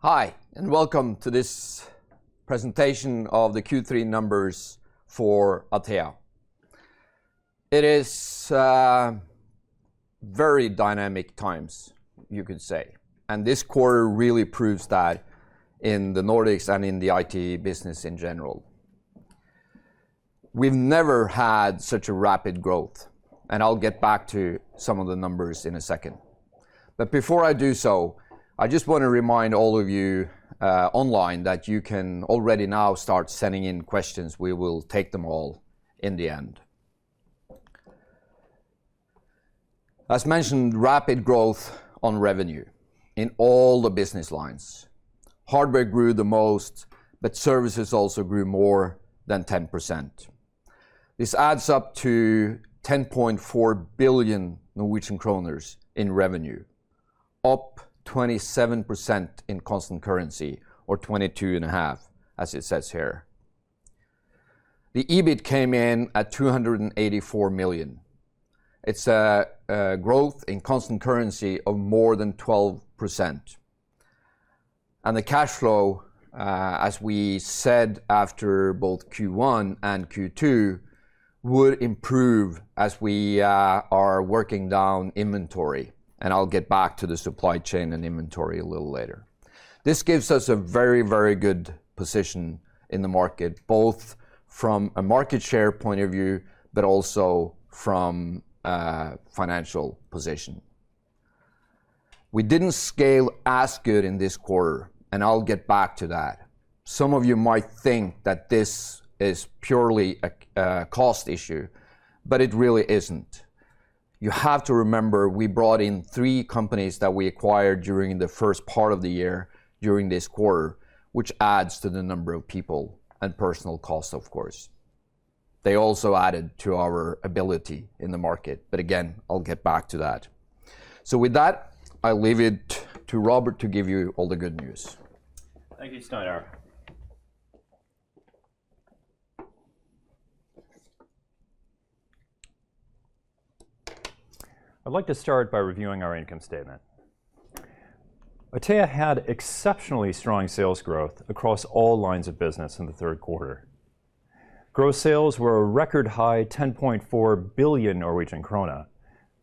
Hi, welcome to this presentation of the Q3 numbers for Atea. It is very dynamic times, you could say, and this quarter really proves that in the Nordics and in the IT business in general. We've never had such a rapid growth, and I'll get back to some of the numbers in a second. Before I do so, I just wanna remind all of you online that you can already now start sending in questions. We will take them all in the end. As mentioned, rapid growth on revenue in all the business lines. Hardware grew the most, but services also grew more than 10%. This adds up to 10.4 billion Norwegian kroner in revenue, up 27% in constant currency or 22.5%, as it says here. The EBIT came in at 284 million. It's a growth in constant currency of more than 12%. The cash flow, as we said after both Q1 and Q2, would improve as we are working down inventory, and I'll get back to the supply chain and inventory a little later. This gives us a very, very good position in the market, both from a market share point of view, but also from a financial position. We didn't scale as good in this quarter, and I'll get back to that. Some of you might think that this is purely a cost issue, but it really isn't. You have to remember, we brought in three companies that we acquired during the first part of the year during this quarter, which adds to the number of people and personnel costs, of course. They also added to our ability in the market. Again, I'll get back to that. With that, I leave it to Robert to give you all the good news. Thank you, Steinar. I'd like to start by reviewing our income statement. Atea had exceptionally strong sales growth across all lines of business in the third quarter. Gross sales were a record high 10.4 billion Norwegian krone,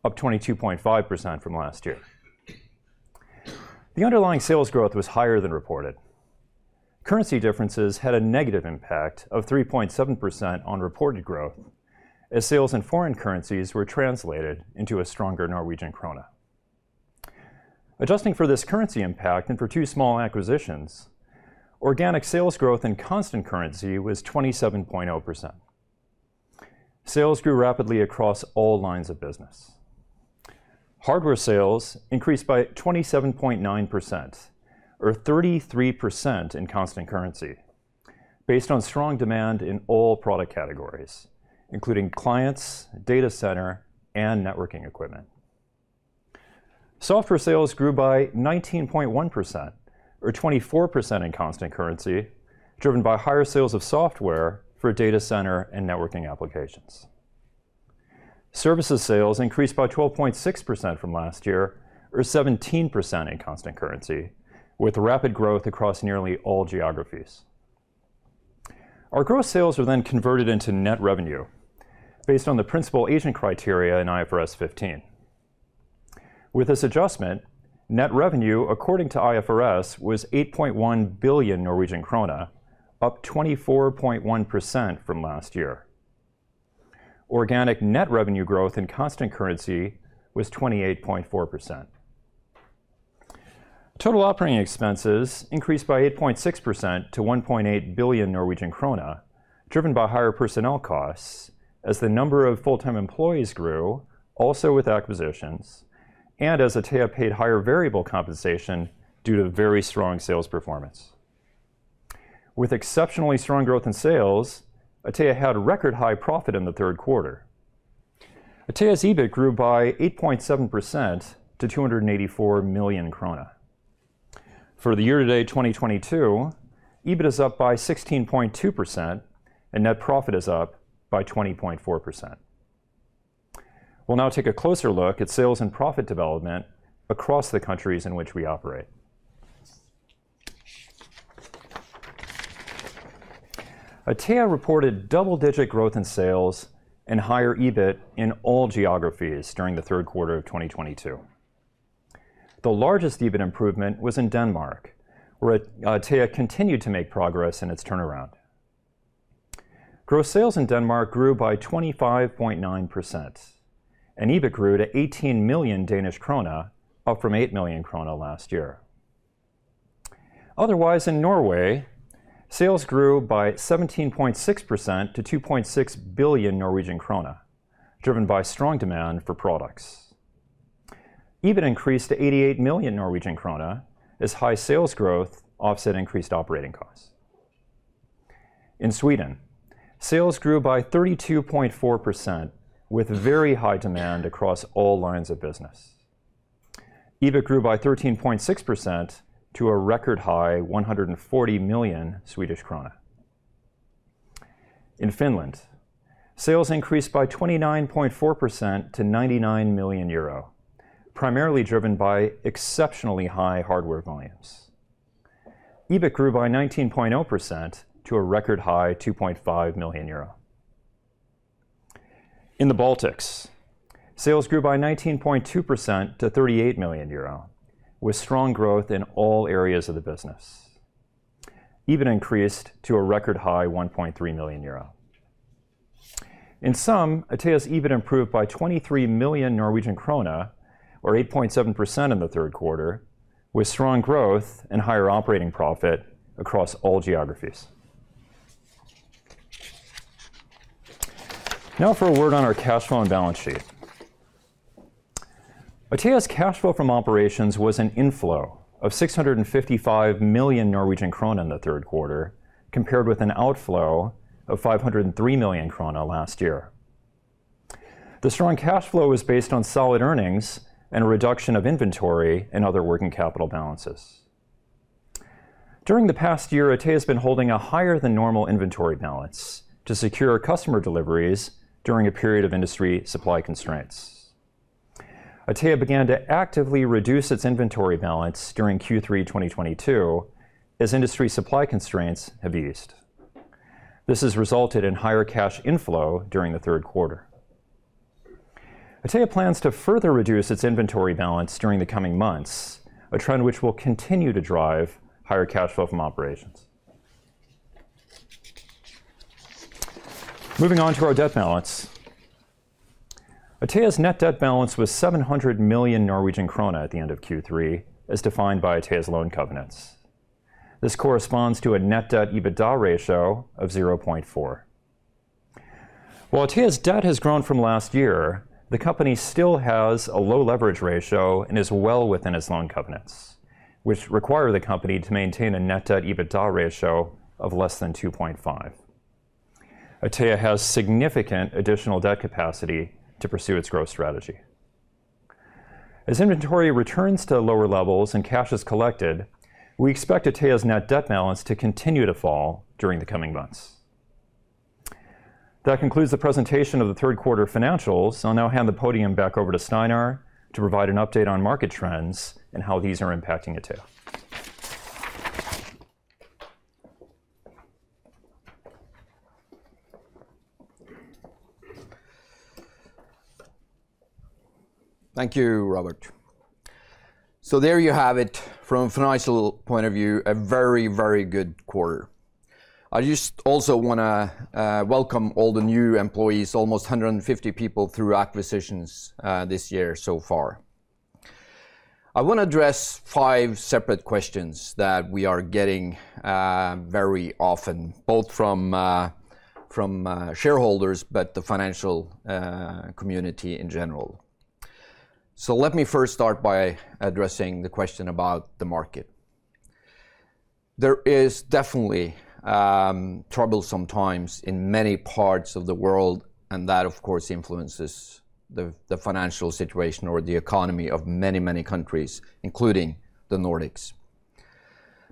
up 22.5% from last year. The underlying sales growth was higher than reported. Currency differences had a negative impact of 3.7% on reported growth as sales in foreign currencies were translated into a stronger Norwegian krone. Adjusting for this currency impact and for two small acquisitions, organic sales growth and constant currency was 27.0%. Sales grew rapidly across all lines of business. Hardware sales increased by 27.9% or 33% in constant currency based on strong demand in all product categories, including clients, data center, and networking equipment. Software sales grew by 19.1% or 24% in constant currency, driven by higher sales of software for data center and networking applications. Services sales increased by 12.6% from last year or 17% in constant currency with rapid growth across nearly all geographies. Our gross sales are then converted into net revenue based on the principal agent considerations in IFRS 15. With this adjustment, net revenue, according to IFRS, was 8.1 billion Norwegian krone, up 24.1% from last year. Organic net revenue growth in constant currency was 28.4%. Total operating expenses increased by 8.6% to 1.8 billion Norwegian krone, driven by higher personnel costs as the number of full-time employees grew, also with acquisitions, and as Atea paid higher variable compensation due to very strong sales performance. With exceptionally strong growth in sales, Atea had a record high profit in the third quarter. Atea's EBIT grew by 8.7% to 284 million krone. For the year-to-date 2022, EBIT is up by 16.2% and net profit is up by 20.4%. We'll now take a closer look at sales and profit development across the countries in which we operate. Atea reported double-digit growth in sales and higher EBIT in all geographies during the third quarter of 2022. The largest EBIT improvement was in Denmark, where Atea continued to make progress in its turnaround. Gross sales in Denmark grew by 25.9%, and EBIT grew to 18 million Danish krone, up from 8 million krone last year. Otherwise, in Norway, sales grew by 17.6% to 2.6 billion Norwegian krone, driven by strong demand for products. EBIT increased to 88 million Norwegian krone as high sales growth offset increased operating costs. In Sweden, sales grew by 32.4% with very high demand across all lines of business. EBIT grew by 13.6% to a record high 140 million Swedish krona. In Finland, sales increased by 29.4% to 99 million euro, primarily driven by exceptionally high hardware volumes. EBIT grew by 19.0% to a record high 2.5 million euro. In the Baltics, sales grew by 19.2% to 38 million euro, with strong growth in all areas of the business. EBIT increased to a record high 1.3 million euro. In sum, Atea's EBIT improved by 23 million Norwegian krone, or 8.7% in the third quarter, with strong growth and higher operating profit across all geographies. Now for a word on our cash flow and balance sheet. Atea's cash flow from operations was an inflow of 655 million Norwegian krone in the third quarter, compared with an outflow of 503 million krone last year. The strong cash flow was based on solid earnings and a reduction of inventory and other working capital balances. During the past year, Atea has been holding a higher than normal inventory balance to secure customer deliveries during a period of industry supply constraints. Atea began to actively reduce its inventory balance during Q3 2022 as industry supply constraints have eased. This has resulted in higher cash inflow during the third quarter. Atea plans to further reduce its inventory balance during the coming months, a trend which will continue to drive higher cash flow from operations. Moving on to our debt balance. Atea's net debt balance was 700 million Norwegian krone at the end of Q3, as defined by Atea's loan covenants. This corresponds to a net debt EBITDA ratio of 0.4. While Atea's debt has grown from last year, the company still has a low leverage ratio and is well within its loan covenants, which require the company to maintain a net debt EBITDA ratio of less than 2.5. Atea has significant additional debt capacity to pursue its growth strategy. As inventory returns to lower levels and cash is collected, we expect Atea's net debt balance to continue to fall during the coming months. That concludes the presentation of the third quarter financials. I'll now hand the podium back over to Steinar to provide an update on market trends and how these are impacting Atea. Thank you, Robert. There you have it from financial point of view, a very, very good quarter. I just also wanna welcome all the new employees, almost 150 people through acquisitions, this year so far. I wanna address five separate questions that we are getting very often, both from shareholders, but the financial community in general. Let me first start by addressing the question about the market. There is definitely troublesome times in many parts of the world, and that of course influences the financial situation or the economy of many, many countries, including the Nordics.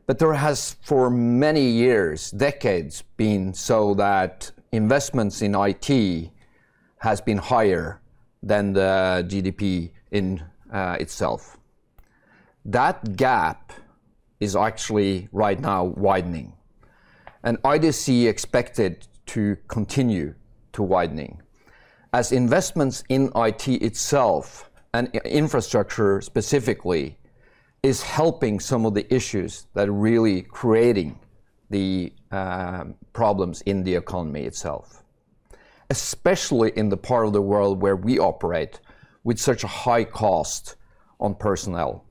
There has for many years, decades, been so that investments in IT has been higher than the GDP in itself. That gap is actually right now widening, and IDC expects it to continue to widen as investments in IT itself and IT infrastructure specifically are helping some of the issues that are really creating the problems in the economy itself, especially in the part of the world where we operate with such a high cost on personnel.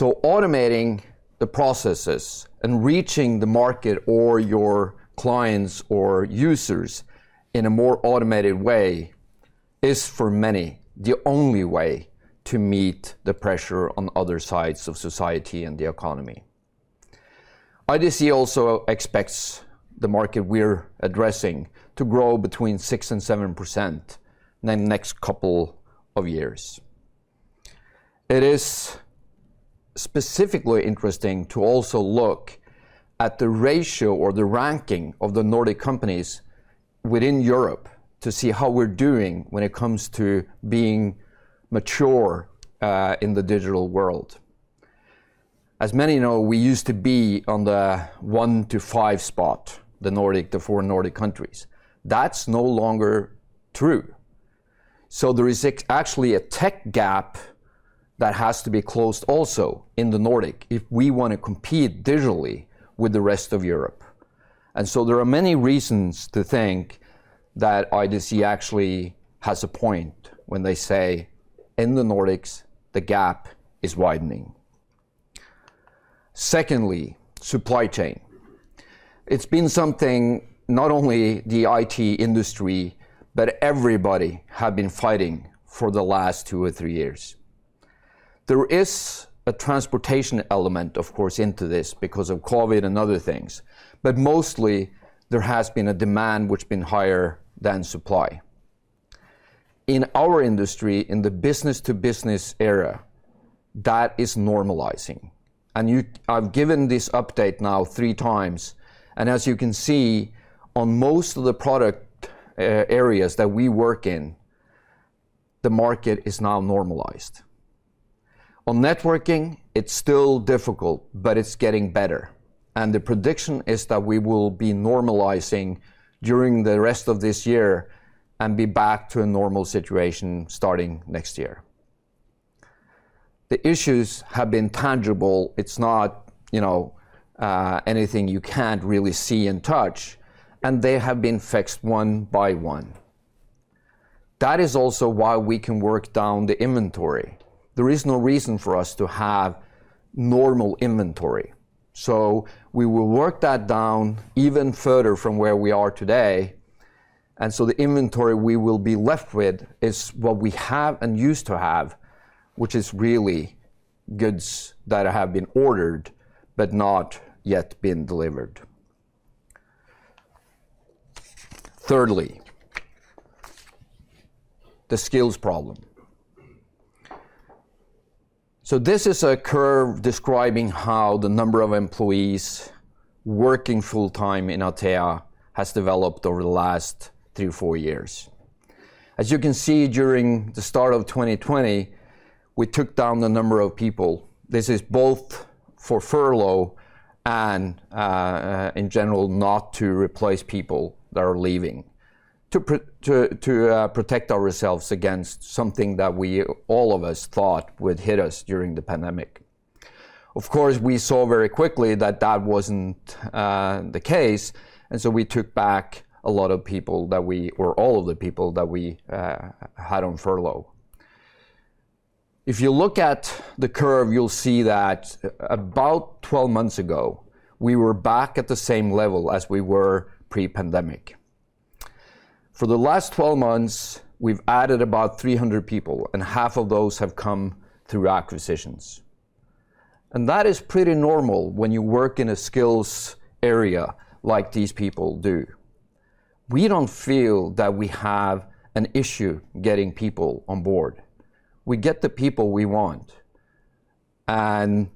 Automating the processes and reaching the market or your clients or users in a more automated way is for many, the only way to meet the pressure on other sides of society and the economy. IDC also expects the market we're addressing to grow between 6% and 7% in the next couple of years. It is specifically interesting to also look at the ratio or the ranking of the Nordic companies within Europe to see how we're doing when it comes to being mature in the digital world. As many know, we used to be on the top one to five spot, the four Nordic countries. That's no longer true. There is actually a tech gap that has to be closed also in the Nordic if we wanna compete digitally with the rest of Europe. There are many reasons to think that IDC actually has a point when they say, in the Nordics, the gap is widening. Secondly, supply chain. It's been something not only the IT industry, but everybody have been fighting for the last two or three years. There is a transportation element, of course, into this because of COVID and other things, but mostly, there has been a demand which been higher than supply. In our industry, in the business to business era, that is normalizing. I've given this update now three times, and as you can see, on most of the product areas that we work in, the market is now normalized. On networking, it's still difficult, but it's getting better, and the prediction is that we will be normalizing during the rest of this year and be back to a normal situation starting next year. The issues have been tangible. It's not, you know, anything you can't really see and touch, and they have been fixed one by one. That is also why we can work down the inventory. There is no reason for us to have normal inventory. We will work that down even further from where we are today, and so the inventory we will be left with is what we have and used to have, which is really goods that have been ordered, but not yet been delivered. Thirdly, the skills problem. This is a curve describing how the number of employees working full-time in Atea has developed over the last three, four years. As you can see, during the start of 2020, we took down the number of people. This is both for furlough and, in general, not to replace people that are leaving, to protect ourselves against something that we, all of us thought would hit us during the pandemic. Of course, we saw very quickly that that wasn't the case, and so we took back a lot of people, or all of the people that we had on furlough. If you look at the curve, you'll see that about 12 months ago, we were back at the same level as we were pre-pandemic. For the last 12 months, we've added about 300 people, and half of those have come through acquisitions. That is pretty normal when you work in a skills area like these people do. We don't feel that we have an issue getting people on board. We get the people we want, and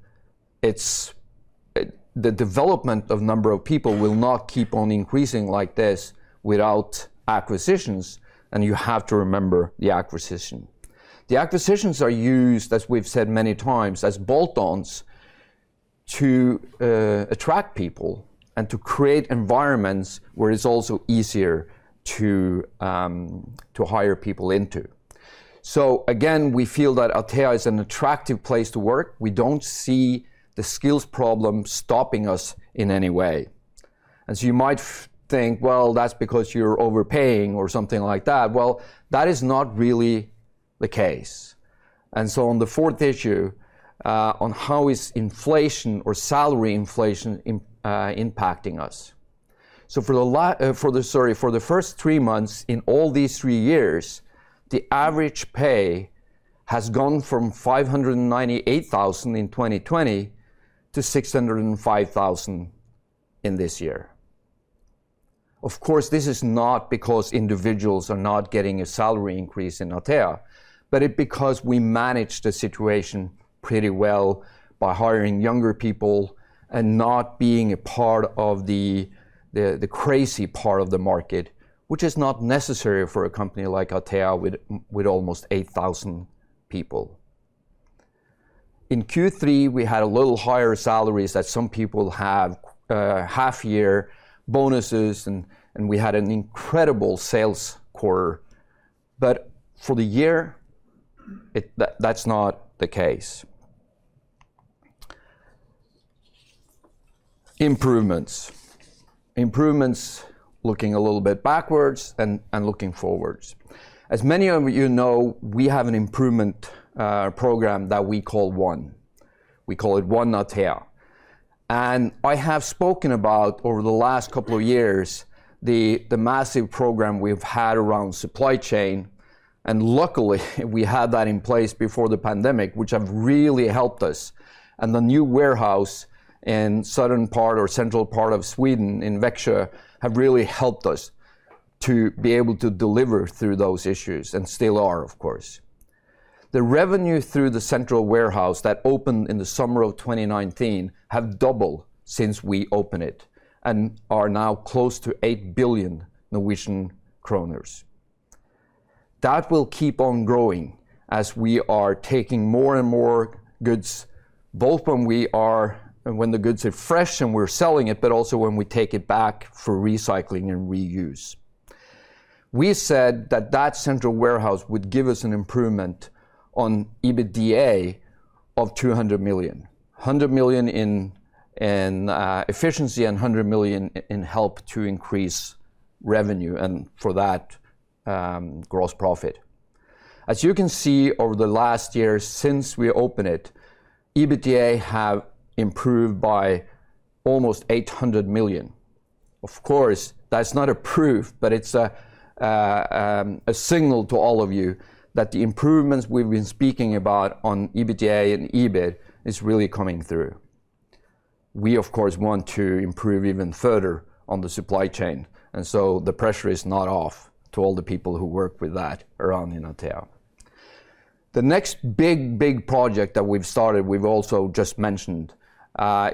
the development of number of people will not keep on increasing like this without acquisitions, and you have to remember the acquisition. The acquisitions are used, as we've said many times, as bolt-ons to attract people and to create environments where it's also easier to hire people into. We feel that Atea is an attractive place to work. We don't see the skills problem stopping us in any way. You might think, well, that's because you're overpaying or something like that. Well, that is not really the case. On the fourth issue, on how inflation or salary inflation is impacting us. For the first three months in all these three years, the average pay has gone from 598,000 in 2020 to 605,000 in this year. Of course, this is not because individuals are not getting a salary increase in Atea, but it's because we managed the situation pretty well by hiring younger people and not being a part of the crazy part of the market, which is not necessary for a company like Atea with almost 8,000 people. In Q3, we had a little higher salaries that some people have half-year bonuses and we had an incredible sales quarter. For the year, that's not the case. Improvements, looking a little bit backwards and looking forwards. As many of you know, we have an improvement program that we call One. We call it One Atea. I have spoken about over the last couple of years the massive program we've had around supply chain. Luckily, we had that in place before the pandemic, which have really helped us. The new warehouse in southern part or central part of Sweden in Växjö have really helped us to be able to deliver through those issues and still are, of course. The revenue through the central warehouse that opened in the summer of 2019 have doubled since we opened it and are now close to 8 billion Norwegian kroner. That will keep on growing as we are taking more and more goods, both when the goods are fresh and we're selling it, but also when we take it back for recycling and reuse. We said that central warehouse would give us an improvement on EBITDA of 200 million. 100 million in efficiency and 100 million in help to increase revenue, and for that, gross profit. As you can see, over the last year since we opened it, EBITDA have improved by almost 800 million. Of course, that's not a proof, but it's a signal to all of you that the improvements we've been speaking about on EBITDA and EBIT is really coming through. We of course want to improve even further on the supply chain, and so the pressure is not off to all the people who work with that around in Atea. The next big project that we've started, we've also just mentioned,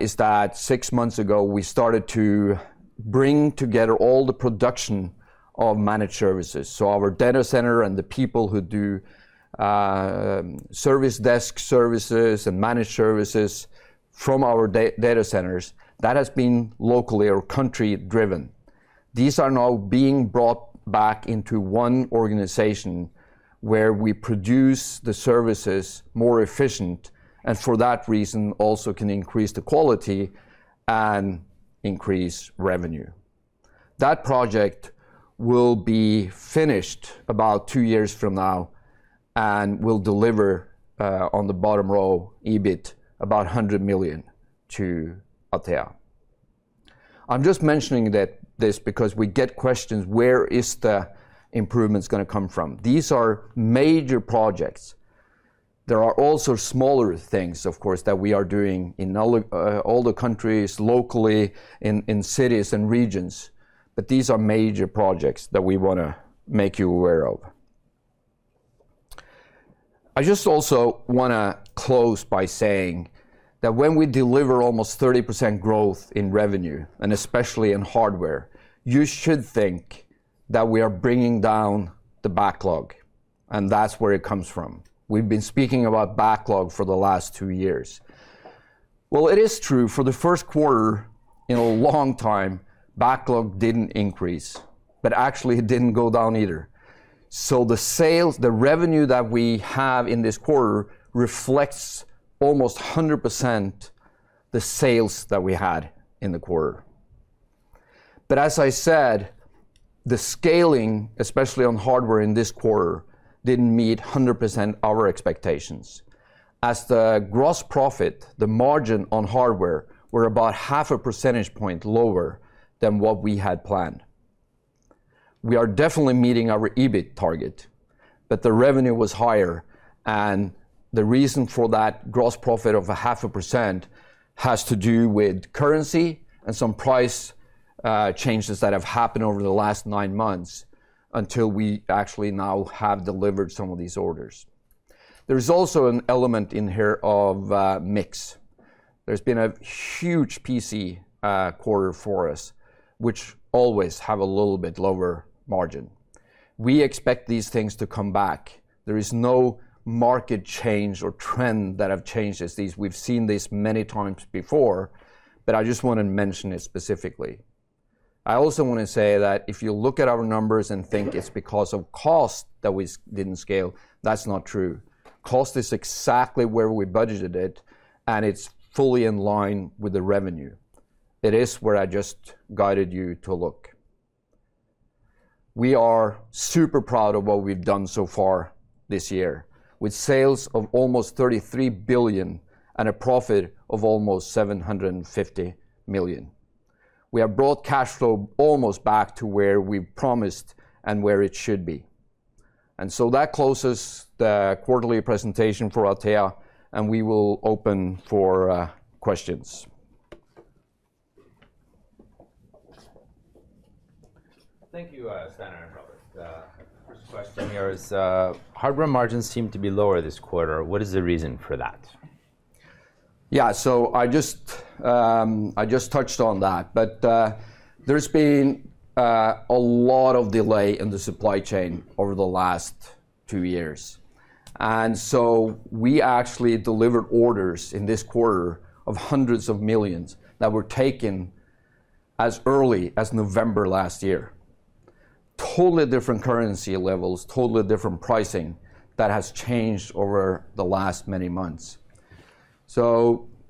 is that six months ago we started to bring together all the production of managed services. Our data center and the people who do service desk services and managed services from our data centers, that has been locally or country-driven. These are now being brought back into one organization where we produce the services more efficient, and for that reason, also can increase the quality and increase revenue. That project will be finished about two years from now, and will deliver on the bottom line EBIT about 100 million to Atea. I'm just mentioning that this because we get questions, where is the improvements gonna come from. These are major projects. There are also smaller things, of course, that we are doing in all the countries locally in cities and regions, but these are major projects that we wanna make you aware of. I just also wanna close by saying that when we deliver almost 30% growth in revenue, and especially in hardware, you should think that we are bringing down the backlog, and that's where it comes from. We've been speaking about backlog for the last two years. Well, it is true for the first quarter in a long time, backlog didn't increase, but actually it didn't go down either. The sales, the revenue that we have in this quarter reflects almost 100% the sales that we had in the quarter. As I said, the scaling, especially on hardware in this quarter, didn't meet 100% our expectations, as the gross profit, the margin on hardware were about half a percentage point lower than what we had planned. We are definitely meeting our EBIT target, but the revenue was higher, and the reason for that gross profit of 0.5% has to do with currency and some price changes that have happened over the last nine months until we actually now have delivered some of these orders. There's also an element in here of mix. There's been a huge PC quarter for us, which always have a little bit lower margin. We expect these things to come back. There is no market change or trend that have changed as these. We've seen this many times before, but I just wanna mention it specifically. I also wanna say that if you look at our numbers and think it's because of cost that we didn't scale, that's not true. Cost is exactly where we budgeted it, and it's fully in line with the revenue. It is where I just guided you to look. We are super proud of what we've done so far this year with sales of almost 33 billion and a profit of almost 750 million. We have brought cash flow almost back to where we promised and where it should be. That closes the quarterly presentation for Atea, and we will open for questions. Thank you, Steinar and Robert. First question here is, hardware margins seem to be lower this quarter. What is the reason for that? Yeah. I just touched on that. There's been a lot of delay in the supply chain over the last two years. We actually delivered orders in this quarter of hundreds of millions NOK that were taken as early as November last year. Totally different currency levels, totally different pricing that has changed over the last many months.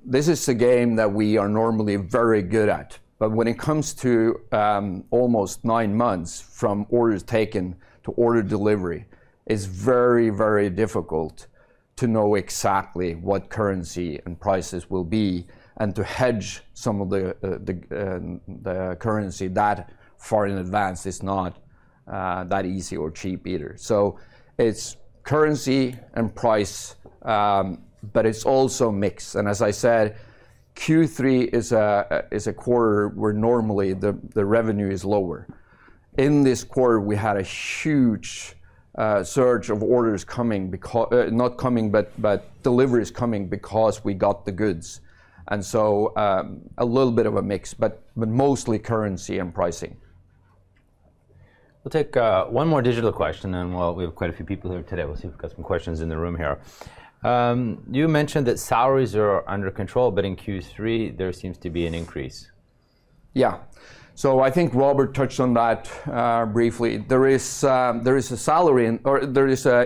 This is a game that we are normally very good at. When it comes to almost nine months from orders taken to order delivery, it's very, very difficult to know exactly what currency and prices will be and to hedge some of the currency that far in advance is not that easy or cheap either. It's currency and price, but it's also mix. As I said, Q3 is a quarter where normally the revenue is lower. In this quarter, we had a huge surge of orders coming, not coming, but deliveries coming because we got the goods. A little bit of a mix, but mostly currency and pricing. We'll take one more digital question and we have quite a few people here today. We'll see if we got some questions in the room here. You mentioned that salaries are under control, but in Q3, there seems to be an increase. Yeah. I think Robert touched on that briefly. There is an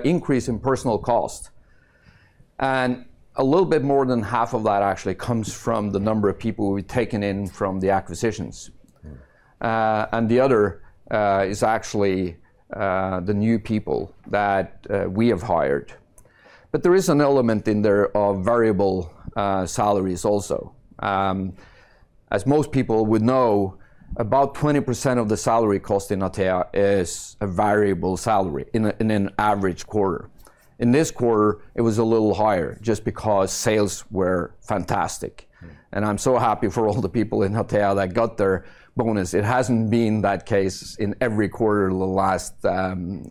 increase in personnel cost, and a little bit more than half of that actually comes from the number of people we've taken in from the acquisitions. The other is actually the new people that we have hired. There is an element in there of variable salaries also. As most people would know, about 20% of the salary cost in Atea is a variable salary in an average quarter. In this quarter, it was a little higher just because sales were fantastic. Mm-hmm. I'm so happy for all the people in Atea that got their bonus. It hasn't been that case in every quarter the last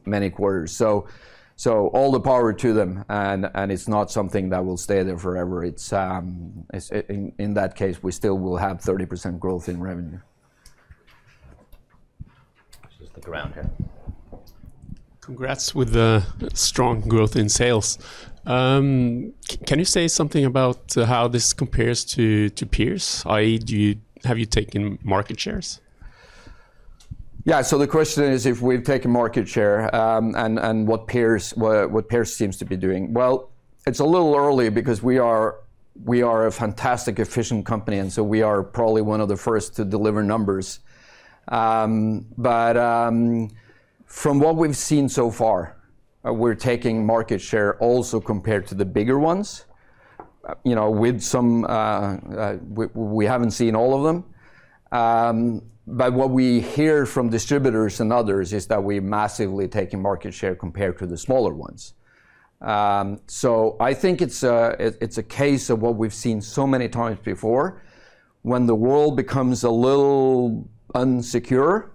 many quarters. All the power to them and it's not something that will stay there forever. It's in that case, we still will have 30% growth in revenue. Let's just look around here. Congrats with the strong growth in sales. Can you say something about how this compares to peers, i.e., have you taken market shares? The question is if we've taken market share, and what peers seems to be doing. It's a little early because we are a fantastic, efficient company, and so we are probably one of the first to deliver numbers. From what we've seen so far, we're taking market share also compared to the bigger ones. You know, we haven't seen all of them. What we hear from distributors and others is that we're massively taking market share compared to the smaller ones. I think it's a case of what we've seen so many times before. When the world becomes a little insecure,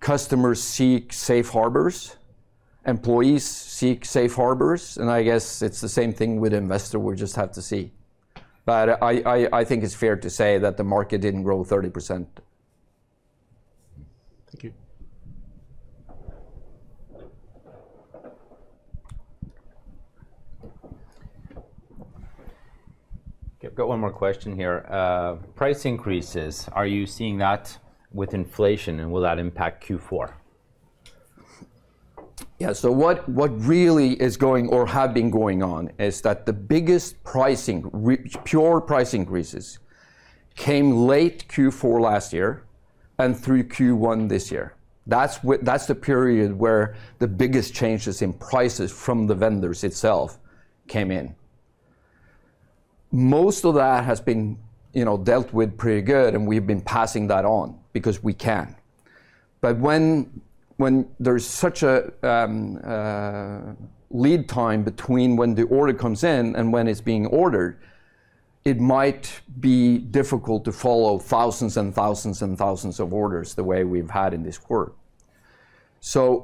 customers seek safe harbors, employees seek safe harbors, and I guess it's the same thing with investor. We just have to see. I think it's fair to say that the market didn't grow 30%. Thank you. Okay. I've got one more question here. Price increases, are you seeing that with inflation, and will that impact Q4? What really is going or have been going on is that the biggest pricing pure price increases came late Q4 last year and through Q1 this year. That's the period where the biggest changes in prices from the vendors itself came in. Most of that has been, you know, dealt with pretty good, and we've been passing that on because we can. But when there's such a lead time between when the order comes in and when it's being ordered, it might be difficult to follow thousands and thousands and thousands of orders the way we've had in this quarter.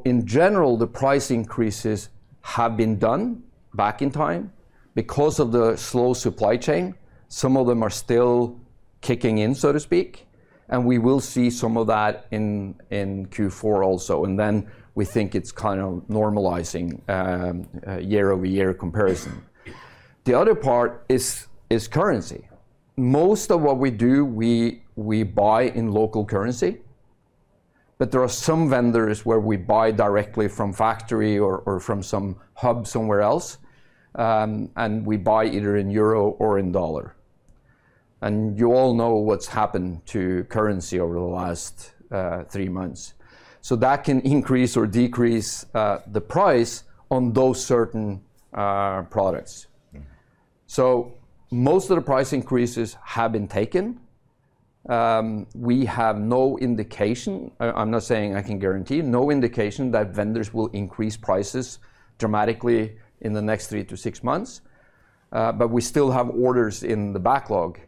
In general, the price increases have been done back in time. Because of the slow supply chain, some of them are still kicking in, so to speak, and we will see some of that in Q4 also. We think it's kind of normalizing year-over-year comparison. The other part is currency. Most of what we do, we buy in local currency, but there are some vendors where we buy directly from factory or from some hub somewhere else, and we buy either in euro or in dollar. You all know what's happened to currency over the last three months. That can increase or decrease the price on those certain products. Mm-hmm. Most of the price increases have been taken. We have no indication, I'm not saying I can guarantee, no indication that vendors will increase prices dramatically in the next three to six months. We still have orders in the backlog,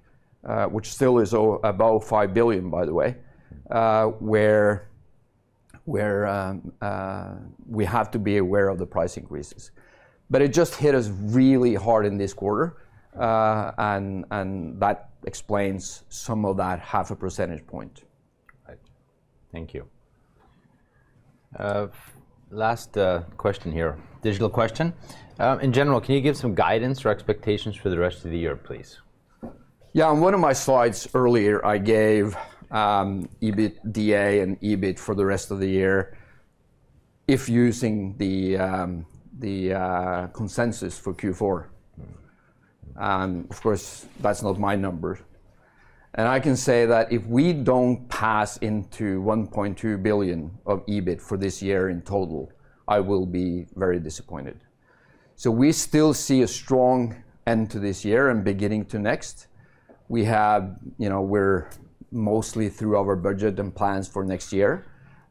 which still is about 5 billion, by the way, where we have to be aware of the price increases. It just hit us really hard in this quarter, and that explains some of that half a percentage point. Right. Thank you. Last question here. Digital question. In general, can you give some guidance or expectations for the rest of the year, please? Yeah. On one of my slides earlier, I gave EBITDA and EBIT for the rest of the year if using the consensus for Q4. Mm-hmm. Of course, that's not my numbers. I can say that if we don't pass into 1.2 billion of EBIT for this year in total, I will be very disappointed. We still see a strong end to this year and beginning to next. We have, you know, we're mostly through our budget and plans for next year,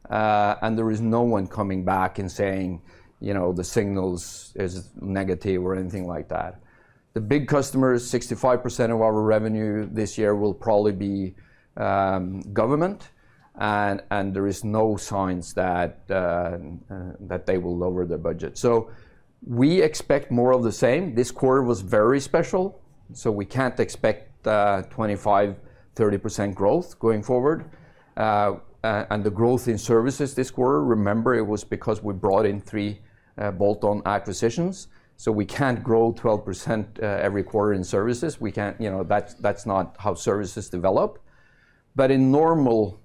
and there is no one coming back and saying, you know, the signals is negative or anything like that. The big customer is 65% of our revenue this year will probably be government, and there is no signs that that they will lower their budget. We expect more of the same. This quarter was very special, so we can't expect 25%, 30% growth going forward. The growth in services this quarter, remember it was because we brought in three bolt-on acquisitions, so we can't grow 12% every quarter in services. We can't. You know, that's not how services develop. In normal,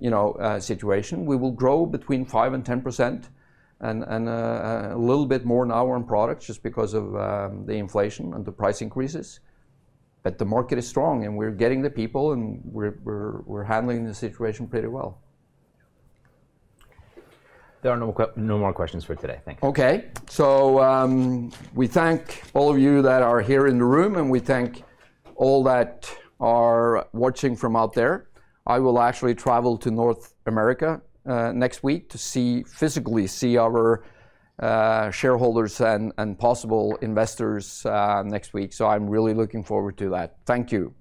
you know, situation, we will grow between 5% and 10% and a little bit more in our own products just because of the inflation and the price increases. The market is strong, and we're getting the people, and we're handling the situation pretty well. There are no more questions for today. Thank you. We thank all of you that are here in the room, and we thank all that are watching from out there. I will actually travel to North America next week to see, physically see our shareholders and possible investors next week. I'm really looking forward to that. Thank you.